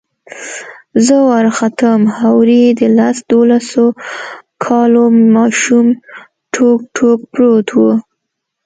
زه وروختم هورې د لس دولسو كالو ماشوم ټوك ټوك پروت و.